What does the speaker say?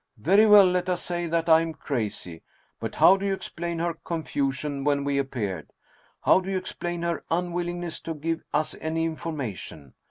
Very well, let us say that I am crazy ; but how do you explain her confusion when we ap peared? How do you explain her unwillingness to give us any information